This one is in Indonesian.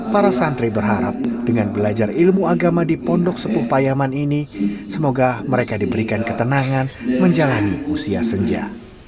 para santri berharap dengan belajar ilmu agama di pondok sepuh payaman ini semoga mereka diberikan ketenangan menjalani usia senja